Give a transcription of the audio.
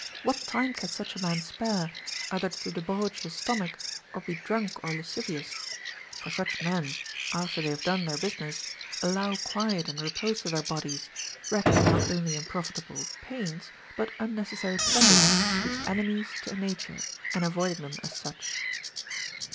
What time can such a man spare, either to debauch his stomach or be drank or lascivious ? For such men, after they have done their business, allow quiet and repose to their bodies, reckoning not only unprofitable pains but unnecessary pleasures to be enemies to nature, and avoiding them as such.